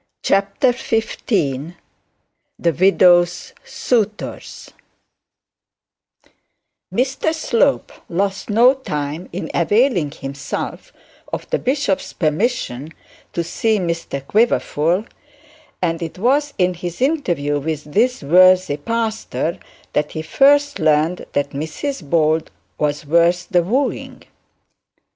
CHAPTER XV THE WIDOW'S SUITORS Mr Slope lost no time in availing himself of the bishop's permission to see Mr Quiverful, and it was in his interview with this worthy pastor that he first learned that Mrs Bold was worth the wooing.